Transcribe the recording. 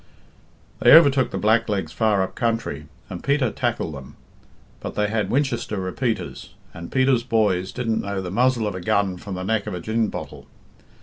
"'They overtook the blacklegs far up country, and Peter tackled them. But they had Winchester repeaters, and Peter's boys didn't know the muzzle of a gun from the neck of a gin bottle.